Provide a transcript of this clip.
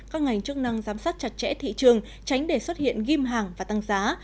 các ngành chức năng giám sát chặt chẽ thị trường tránh để xuất hiện ghim hàng và tăng giá